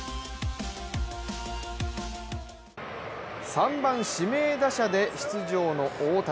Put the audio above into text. ３番・指名打者で出場の大谷。